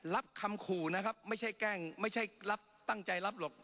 รับคำขู่นะครับไม่ใช่แกล้งไม่ใช่รับตั้งใจรับหรอก